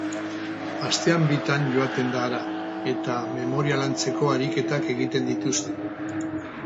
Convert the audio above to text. Astean bitan joaten da hara, eta memoria lantzeko ariketak egiten dituzte.